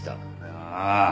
ああ。